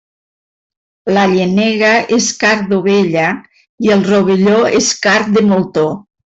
La llenega és carn d'ovella i el rovelló és carn de moltó.